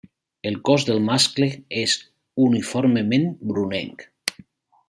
El cos del mascle és uniformement brunenc.